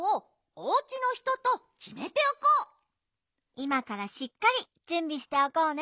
いまからしっかりじゅんびしておこうね。